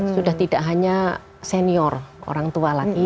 sudah tidak hanya senior orang tua lagi